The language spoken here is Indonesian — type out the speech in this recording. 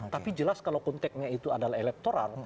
tapi jelas kalau konteknya itu adalah elektoral